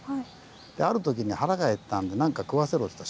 ある時に腹が減ったんで何か食わせろと言った。